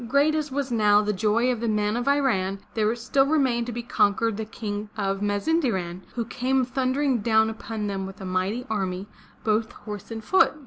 Great as was now the joy of the men of Iran, there still remained to be conquered the King of Mazinderan, who came thundering down upon them with a mighty army, both horse and foot.